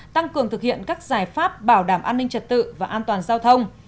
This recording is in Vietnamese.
tăng cường thực hiện các giải pháp bảo đảm an ninh trật tự và an toàn giao thông